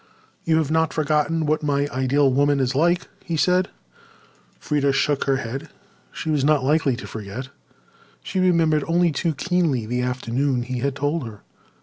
"You have not forgotten what my ideal woman is like?" he said. Freda shook her head. She was not likely to forget. She remembered only too keenly the afternoon he had told her.